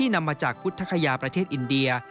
นำมาจากพุทธคยาประเทศอินเดีย